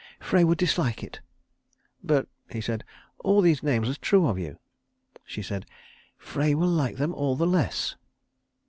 Frey would dislike it." "But," he said, "all these names are true of you." She said, "Frey will like them all the less."